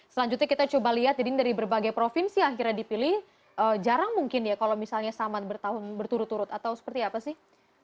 selanjutnya kita coba lihat jadi ini dari berbagai provinsi akhirnya dipilih jarang mungkin ya kalau misalnya sama berturut turut atau seperti apa sih